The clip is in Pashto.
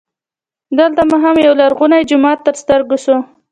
دلته مو هم یولرغونی جومات تر ستر ګو سو.